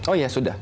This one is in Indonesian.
oh ya sudah